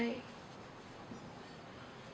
แล้วบอกว่าไม่รู้นะ